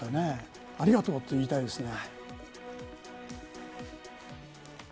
ありがとうと言いたいですね。